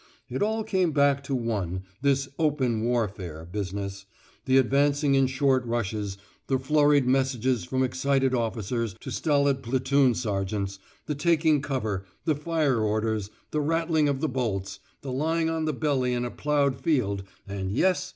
It all came back to one, this "open warfare" business, the advancing in short rushes, the flurried messages from excited officers to stolid platoon sergeants, the taking cover, the fire orders, the rattling of the bolts, the lying on the belly in a ploughed field; and yes!